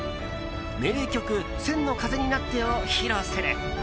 名曲「千の風になって」を披露する！